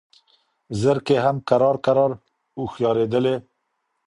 زرکي هم کرار کرار هوښیارېدلې